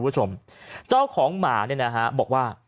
เจ้าของหมาบอกว่า